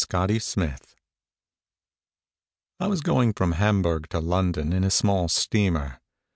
ON THE SEA I WAS going from Hamburg to London in a small steamer.